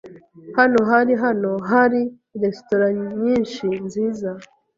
Hano hari hano hari resitora nyinshi nziza.